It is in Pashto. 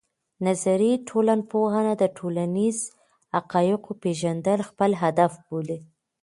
نظري ټولنپوهنه د ټولنیزو حقایقو پېژندل خپل هدف بولي.